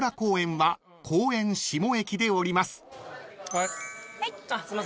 はい。